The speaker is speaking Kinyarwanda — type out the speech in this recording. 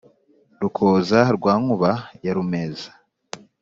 rukoza rwa nkuba ya rumeza,